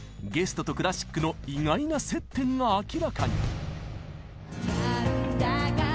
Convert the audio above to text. ゲストとクラシックの意外な接点が明らかに！